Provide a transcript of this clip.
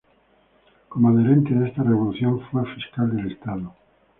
Como adherente de esta revolución, fue fiscal del estado.